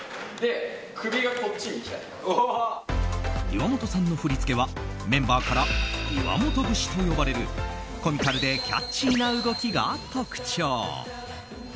岩本さんの振り付けはメンバーから岩本節と呼ばれるコミカルでキャッチーな動きが特徴。